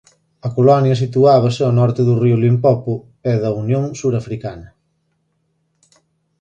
A colonia situábase ao norte do río Limpopo e da Unión Surafricana.